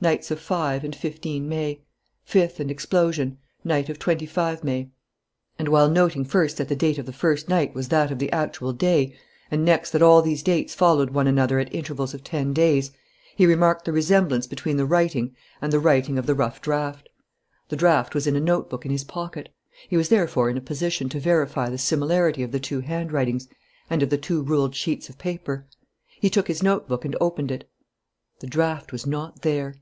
Nights of 5 and 15 May. "Fifth and explosion. Night of 25 May." And, while noting first that the date of the first night was that of the actual day, and next that all these dates followed one another at intervals of ten days, he remarked the resemblance between the writing and the writing of the rough draft. The draft was in a notebook in his pocket. He was therefore in a position to verify the similarity of the two handwritings and of the two ruled sheets of paper. He took his notebook and opened it. The draft was not there.